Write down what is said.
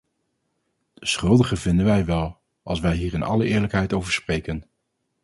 De schuldigen vinden wij wel, als wij hier in alle eerlijkheid over spreken.